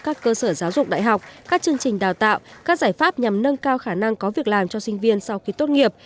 các cơ sở giáo dục đại học các chương trình đào tạo các giải pháp nhằm nâng cao khả năng có việc làm cho sinh viên sau khi tốt nghiệp